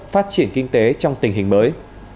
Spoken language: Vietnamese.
phát triển kinh tế trong tình hình mới